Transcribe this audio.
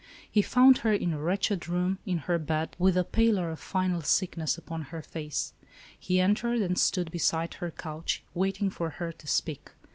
He found her in a wretched room, in her bed, with the pallor of final sickness upon her face. He entered and stood beside her couch, waiting for her to speak.